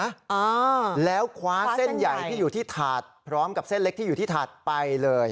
อ่าแล้วคว้าเส้นใหญ่ที่อยู่ที่ถาดพร้อมกับเส้นเล็กที่อยู่ที่ถาดไปเลย